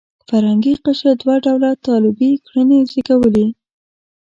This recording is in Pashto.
فرهنګي قشر دوه ډوله طالبي کړنې زېږولې.